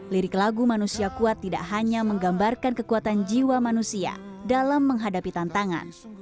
lirik lagu manusia kuat tidak hanya menggambarkan kekuatan jiwa manusia dalam menghadapi tantangan